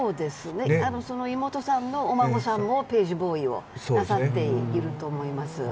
妹さんのお孫さんもページボーイをなさっていると思います。